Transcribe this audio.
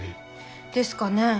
ですかね。